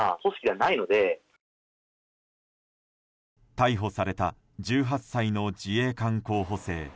逮捕された１８歳の自衛官候補生。